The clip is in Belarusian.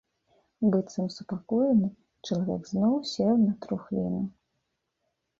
Быццам супакоены, чалавек зноў сеў на трухліну.